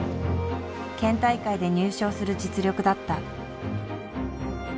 県大会で入賞する実力だった。